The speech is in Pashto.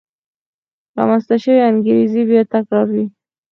رامنځته شوې انګېزې بیا تکرار وې.